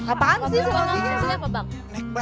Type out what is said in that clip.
apaan sih solusinya pak